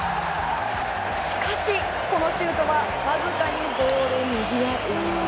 しかし、このシュートはわずかにゴール右へ。